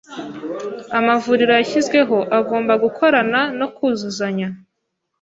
Amavuriro yashyizweho agomba gukorana no kuzuzanya